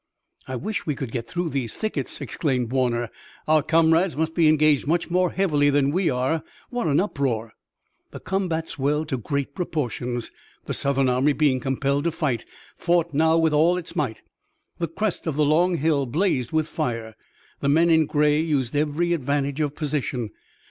"I wish we could get through these thickets!" exclaimed Warner. "Our comrades must be engaged much more heavily than we are. What an uproar!" The combat swelled to great proportions. The Southern army, being compelled to fight, fought now with all its might. The crest of the long hill blazed with fire. The men in gray used every advantage of position.